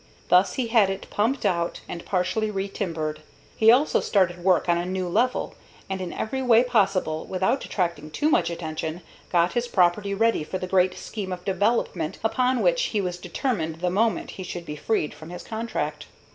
Thus he had it pumped out and partially retimbered. He also started work on a new level, and in every way possible, without attracting too much attention, got his property ready for the great scheme of development upon which he was determined the moment he should be freed from his contract.